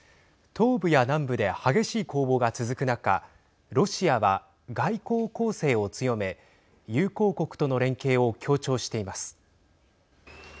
東部や南部で激しい攻防が続く中ロシアは、外交攻勢を強め友好国との連携を強調しています。